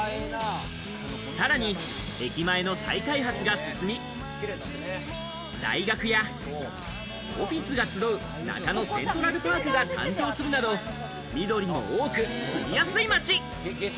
さらに駅前の再開発が進み、大学やオフィスが集う中野セントラルパークが誕生するなど、緑も多く住みやすい街。